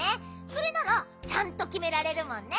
それならちゃんときめられるもんね。